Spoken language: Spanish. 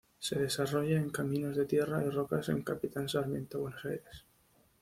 Se desarrolla en caminos de tierra y rocas en Capitán Sarmiento, Buenos Aires.